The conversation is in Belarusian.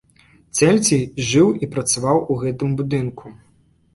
Цэльсій жыў і працаваў у гэтым будынку.